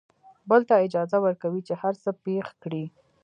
بل ته اجازه ورکوي چې هر څه پېښ کړي.